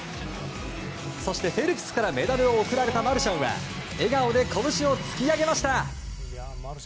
そして、フェルプスからメダルを贈られたマルシャンは笑顔で、拳を突き上げました。